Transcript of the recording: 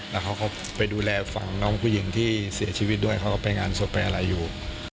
แล้วเขาก็ไปดูแลฝั่งน้องผู้หญิงที่เสียชีวิตด้วยเขาก็ไปงานศพไปอะไรอยู่